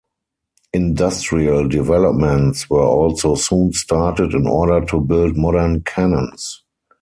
Industrial developments were also soon started in order to build modern cannons.